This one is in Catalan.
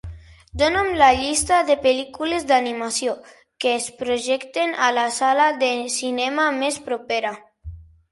Dona'm la llista de pel·lícules d'animació que es projecten a la sala de cinema més propera.